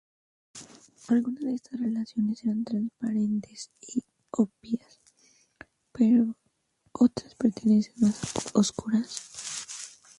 Algunas de estas relaciones eran transparentes y obvias, pero otras permanecen más oscuras.